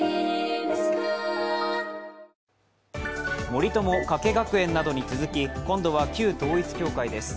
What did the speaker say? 森友・加計学園などに続き今度は旧統一教会です。